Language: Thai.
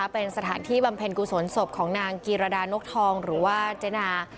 เป็นสถานที่บำเพ็ญกุศลศพของนางกีรดานกทองหรือว่าเจนา